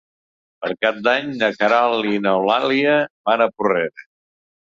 Per Cap d'Any na Queralt i n'Eulàlia van a Porreres.